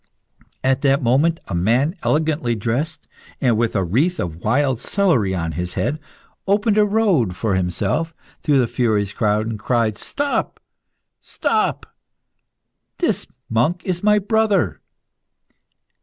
At that moment a man elegantly dressed, and with a wreath of wild celery on his head, opened a road for himself through the furious crowd, and cried "Stop! Stop! This monk is my brother!"